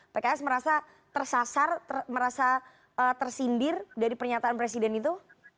pks merasa tersasar merasa tersindir dari pernyataan presiden itu